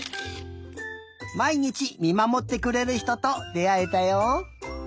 まいにちみまもってくれるひととであえたよ。